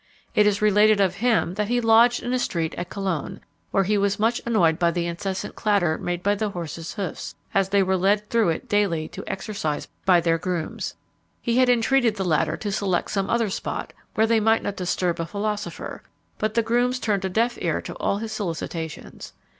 It is related of him that he lodged in a street at Cologne, where he was much annoyed by the incessant clatter made by the horses' hoofs, as they were led through it daily to exercise by their grooms. He had entreated the latter to select some other spot, where they might not disturb a philosopher; but the grooms turned a deaf ear to all his solicitations.